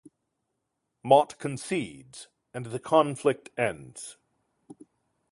Mot concedes and the conflict ends.